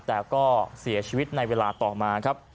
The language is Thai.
แต่ก็เสียชีวิตในเวลาต่อมาครับ